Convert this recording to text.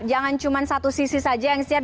jangan cuma satu sisi saja yang share